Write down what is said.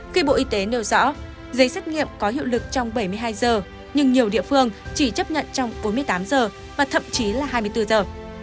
khi bộ y tế nêu rõ giấy xét nghiệm có hiệu lực trong bảy mươi hai giờ nhưng nhiều địa phương chỉ chấp nhận trong bốn mươi tám giờ và thậm chí là hai mươi bốn giờ